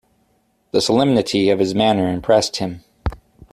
The solemnity of his manner impressed him.